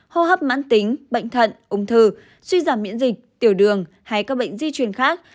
hô hấp mãn tính bệnh thận ung thư suy giảm miễn dịch tiểu đường hay các bệnh di truyền khác